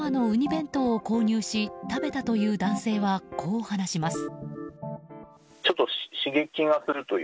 弁当を購入し食べたという男性はこう話します。